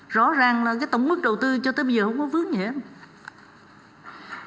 rõ ràng là cái tổng mức đầu tư cho tới bây giờ không có vướng gì hết